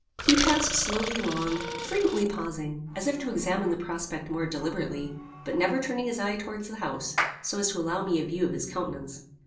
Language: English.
He passed slowly along, frequently pausing, as if to examine the prospect more deliberately, but never turning his eye towards the house, so as to allow me a view of his countenance.